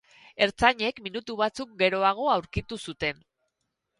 Ertzainek minutu batzuk geroago aurkitu zuten.